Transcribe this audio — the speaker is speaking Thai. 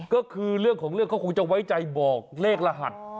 ก็คือเรื่องของเรื่องเขาคงจะไว้ใจบอกเลขรหัส